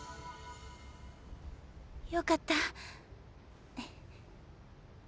よかった。